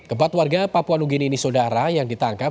keempat warga papua nugini ini saudara yang ditangkap